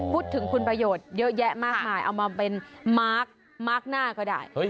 พูดถึงคุณประโยชน์เยอะแยะมากมายเอามาเป็นมาร์คมาร์คหน้าก็ได้